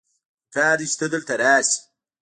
پکار دی چې ته دلته راشې